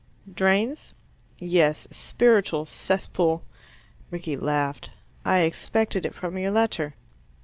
"Drains?" "Yes. A spiritual cesspool." Rickie laughed. "I expected it from your letter."